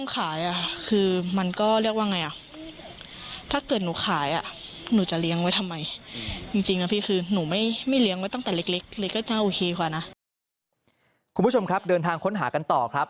คุณผู้ชมครับเดินทางค้นหากันต่อครับ